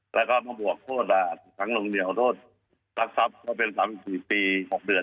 แล้วก็มาบวกโทษทั้งลงเหนียวโทษรักทรัพย์ก็เป็น๓๔ปี๖เดือน